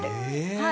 はい。